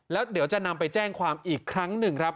แล้วเดี๋ยวจะนำไปแจ้งความอีกครั้งหนึ่งครับ